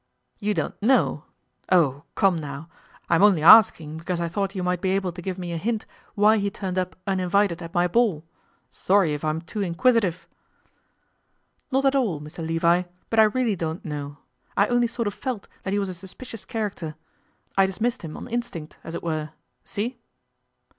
'You don't know? Oh! come now! I'm only asking because I thought you might be able to give me a hint why he turned up uninvited at my ball. Sorry if I'm too inquisitive.' 'Not at all, Mr Levi; but I really don't know. I only sort of felt that he was a suspicious character. I dismissed him on instinct, as it were. See?